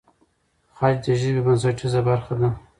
خج د ژبې بنسټیزه برخه ده.